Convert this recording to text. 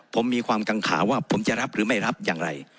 ผมมีความกังขาว่าผมจะรับหรือไม่รับอย่างไร